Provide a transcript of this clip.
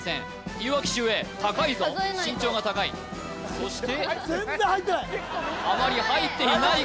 いわき秀英高いぞ身長が高いそして全然入ってない！